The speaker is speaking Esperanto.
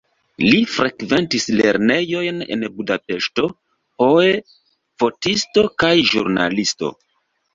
Li frekventis lernejojn en Budapeŝto poe fotisto kaj ĵurnalisto.